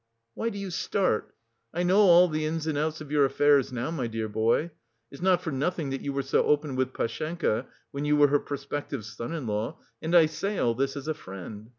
Why do you start? I know all the ins and outs of your affairs now, my dear boy it's not for nothing that you were so open with Pashenka when you were her prospective son in law, and I say all this as a friend....